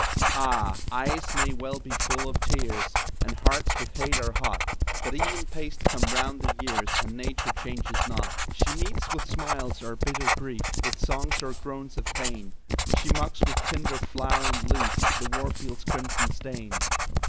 Ah! eyes may well be full of tears, And hearts with hate are hot; But even paced come round the years, And Nature changes not. She meets with smiles our bitter grief, With songs our groans of pain; She mocks with tint of flower and leaf The war field's crimson stain.